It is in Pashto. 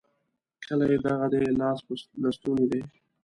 کلی دغه دی؛ لاس په لستوڼي دی.